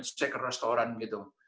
saya ke restoran